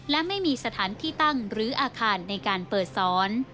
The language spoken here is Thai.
และไม่มีสถานที่ตั้งหรืออาคารในการเปิดสอน